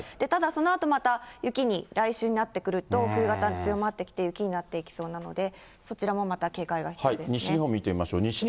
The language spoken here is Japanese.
ただ、そのあとまた雪に、来週になってくると冬型強まってきて、雪になっていきそうなので、そちらもまた警戒が必要ですね。